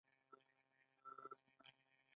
هغې د حساس لمر په اړه خوږه موسکا هم وکړه.